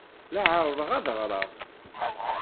La ɛerrḍeɣ ad ddreɣ.